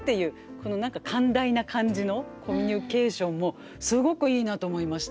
この何か寛大な感じのコミュニケーションもすごくいいなと思いました。